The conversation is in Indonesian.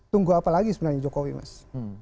tunggu apa lagi sebenarnya jokowi mas